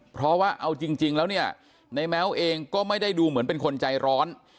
เพราะว่าเอาจริงแล้วเนี่ยในแม้วเองก็ไม่ได้ดูเหมือนเป็นคนใจร้อน